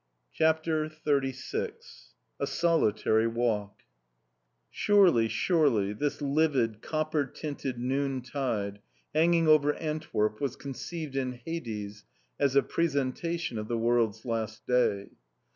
CHAPTER XXXVI A SOLITARY WALK Surely, surely, this livid, copper tinted noontide, hanging over Antwerp, was conceived in Hades as a presentation of the world's last day.